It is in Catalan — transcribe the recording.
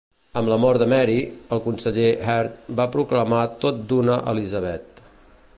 Amb la mort de Mary, el conseller Heath va proclamar tot d'una Elizabeth.